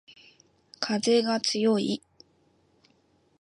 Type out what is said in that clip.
かぜがつよい